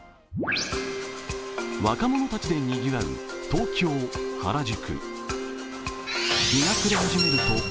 若者たちでにぎわう東京・原宿。